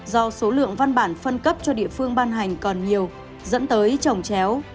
do số lượng văn bản phân cấp cho địa phương ban hành còn nhiều dẫn tới trồng chéo